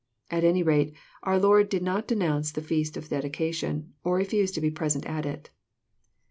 At any rate our Lord did not denounce the feast of dedication, or refuse to be present at it.